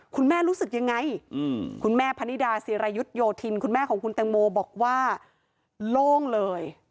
รู้สึกยังไงคุณแม่พนิดาศิรายุทธโยธินคุณแม่ของคุณแตงโมบอกว่าโล่งเลย